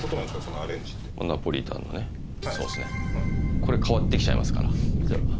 これ変わってきちゃいますからじゃあ